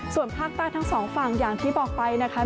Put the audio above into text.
ส่วนภาคใต้ทั้งสองฝั่งอย่างที่บอกไปนะคะ